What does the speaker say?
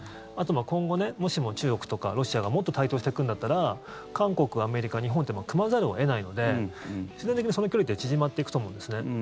あと、今後もしも中国とかロシアがもっと台頭してくるんだったら韓国、アメリカ、日本って組まざるを得ないので自然的にその距離って縮まっていくと思うんですね。